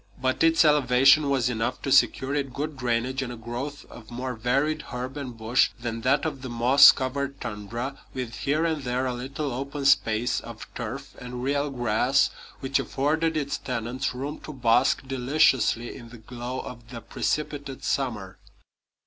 But its elevation was enough to secure it good drainage and a growth of more varied herb and bush than that of the moss covered tundra, with here and there a little open space of turf and real grass which afforded its tenants room to bask deliciously in the glow of the precipitate summer.